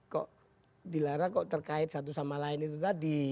kok dilarang kok terkait satu sama lain itu tadi